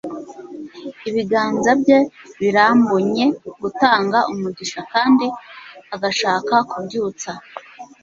ibiganza bye birambunye gutanga umugisha kandi agashaka kubyutsa